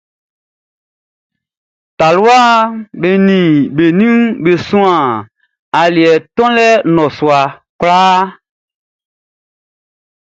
Taluaʼm be nin be ninʼm be suan aliɛ tonlɛ nnɔsua kwlaa.